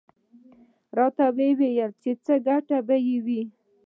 _راته ووايه چې ګټه به يې څه وي؟